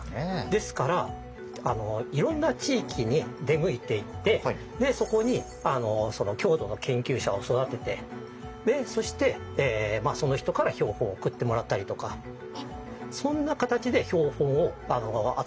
ですからいろんな地域に出向いていってそこに郷土の研究者を育ててそしてその人から標本を送ってもらったりとかそんな形で標本を集めたんです。